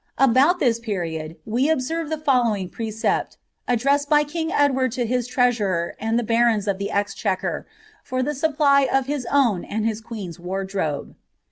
About this period, we observe the following precept, addmwd hj king Edwaid lo his treasurer and the barons of the excliet|uer, fertbi aupply of hifl own and hia queen's wardrobe.